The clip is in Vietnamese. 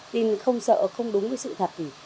tin không sợ không đúng với sự thật thì